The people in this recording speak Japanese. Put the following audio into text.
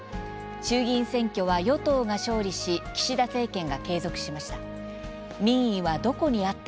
衆議院選挙は与党が勝利し岸田政権が継続しました。